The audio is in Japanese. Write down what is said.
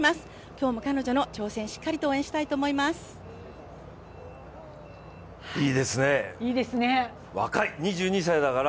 今日も彼女の挑戦、しっかりと応援したいと思います。